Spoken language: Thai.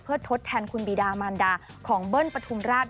เพื่อทดแทนคุณบีดามานดาของเบิ้ลปฐุมราช